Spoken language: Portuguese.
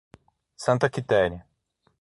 Santa Quitéria